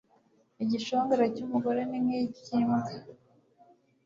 igishongore cy'umugore ni nk'icyo imbwa